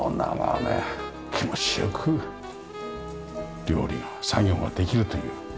気持ちよく料理が作業ができるという。